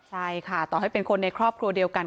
ใช่ค่ะต่อให้เป็นคนในครอบครัวเดียวกัน